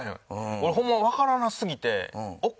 俺ホンマわからなすぎて。